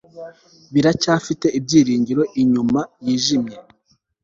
biracyafite ibyiringiro inyuma yijimye